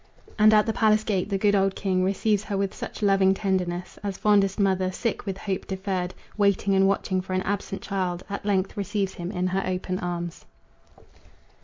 And at the palace gate the good old king Receives her with such loving tenderness, As fondest mother, sick with hope deferred, Waiting and watching for an absent child, At length receives him in her open arms.